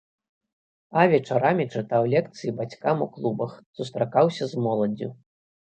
А вечарамі чытаў лекцыі бацькам у клубах, сустракаўся з моладдзю.